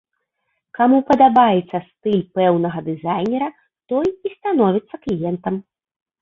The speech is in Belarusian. Каму падабаецца стыль пэўнага дызайнера, той і становіцца кліентам.